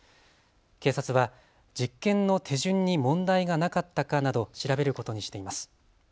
警察は実験の手順に問題がなかったかなど調べることにしています。